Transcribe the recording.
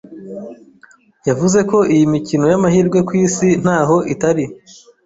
yavuze ko iyi imikino y’amahirwe ku Isi ntaho itari,